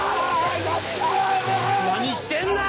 何してんだ！